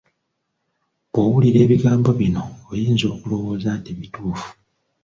Bw'owulira ebigambo bino, oyinza okulowooza nti bituufu.